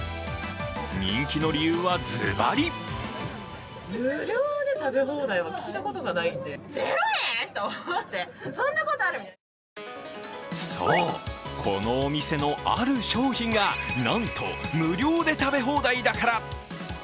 人気の理由はずばりそう、このお店のある商品が、なんと無料で食べ放題だから。